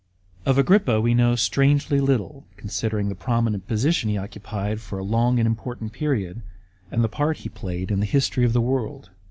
Of Agrippa we know strangely little considering the prominent position he occupied for a long and important period, and the part he played in the history of the world.